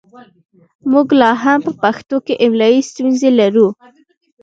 موږ لا هم په پښتو کې املايي ستونزې لرو